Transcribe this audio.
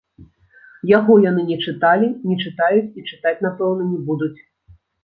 Яго яны не чыталі, не чытаюць і чытаць, напэўна, не будуць.